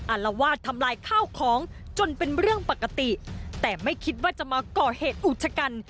อารวาสทำลายข้าวของจนเป็นเรื่องปกติแต่ไม่คิดว่าจะมาก่อเหตุอุชกัน